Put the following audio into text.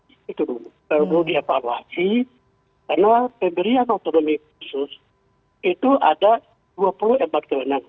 itu dulu perlu dievaluasi karena pemberian otonomi khusus itu ada dua puluh empat kewenangan